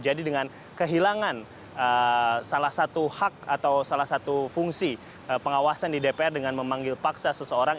jadi dengan kehilangan salah satu hak atau salah satu fungsi pengawasan di dpr dengan memanggil paksa seseorang